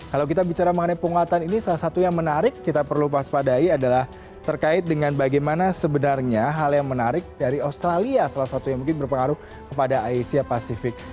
kalau kita bicara mengenai penguatan ini salah satu yang menarik kita perlu waspadai adalah terkait dengan bagaimana sebenarnya hal yang menarik dari australia salah satu yang mungkin berpengaruh kepada asia pasifik